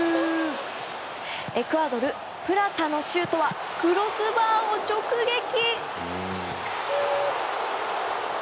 エクアドル、プラタのシュートはクロスバーを直撃。